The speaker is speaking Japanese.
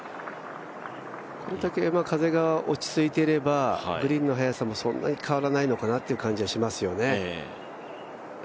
これだけ風が落ち着いていれば、グリーンの速さもそんなに変わらないのかなという感じがしますよね。